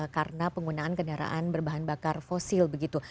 karena penggunaan kendaraan berbahan bakar fosil begitu